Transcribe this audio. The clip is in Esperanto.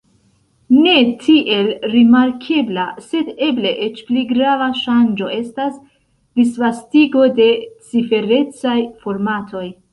Ne tiel rimarkebla, sed eble eĉ pli grava ŝanĝo estas disvastigo de ciferecaj formatoj.